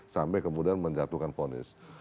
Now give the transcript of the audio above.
sampai kemudian menjatuhkan fonis